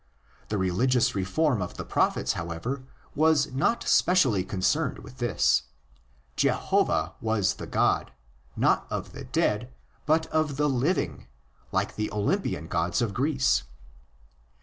'' The religious reform of the prophets, however, was not specially concerned with this. Jehovah was the God, not of the dead, but 14 THE ORIGINS OF CHRISTIANITY ,. of the living; like the Olympian gods of Greece.